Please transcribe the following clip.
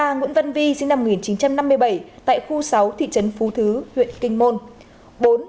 ba nguyễn văn vi sinh năm một nghìn chín trăm năm mươi bảy tại khu sáu thị trấn phú thứ huyện kinh môn